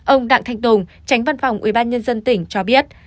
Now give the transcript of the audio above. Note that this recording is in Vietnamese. ông đặng thanh tùng tránh văn phòng ubnd tỉnh cho biết